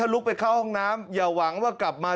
ลุกไปเข้าห้องน้ำอย่าหวังว่ากลับมา